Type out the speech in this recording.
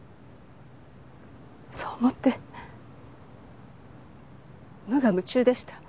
そう思って無我夢中でした。